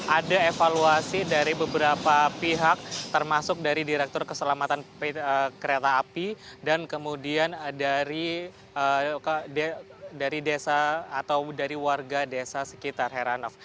ada evaluasi dari beberapa pihak termasuk dari direktur keselamatan kereta api dan kemudian dari warga desa sekitar heran af